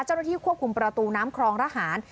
เจ้าหน้าที่ควบคุมประตูน้ำครองระหาร